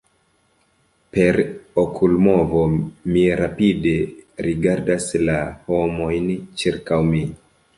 Per okulmovo, mi rapide rigardas la homojn ĉirkaŭ mi.